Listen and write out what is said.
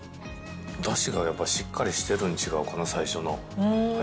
だしがやっぱりしっかりしてるん違うかな、最初の味。